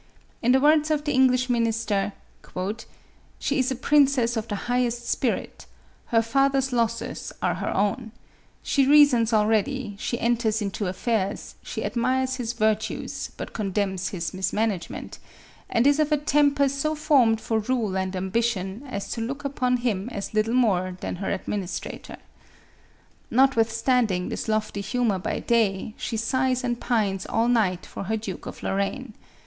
In the words of the English minister, "She is a princess of the highest spirit; her father's losses are her own. She reasons already ; she enters into affairs ; she ad mires his virtues, but condemns his mismanagement; and is of a temper so formed for rule and ambition as to look upon him as little more than her administrator. MARIA THERESA. 189 Notwithstanding tbis lofty humor by day, she sighs and pines all night for her Duke of Lorraine.